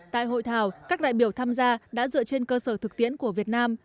tại hội thảo các đại biểu tham gia đã dựa trên cơ sở thực tiễn của việt nam